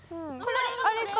あれか。